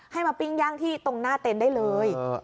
ให้มาปิ่งยั่งที่ตรงหน้าเต็นได้เลย